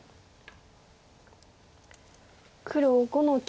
黒５の九。